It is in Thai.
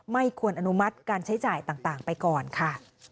ไม่ควรอนุมัติการใช้จ่ายต่างไปก่อนค่ะ